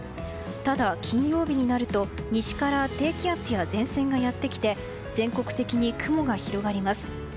ただ、金曜日になると西から低気圧や前線がやってきて全国的に雲が広がります。